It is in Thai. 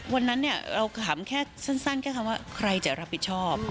วันนั้นเราถามแค่สั้นแค่คำว่าใครจะรับผิดชอบ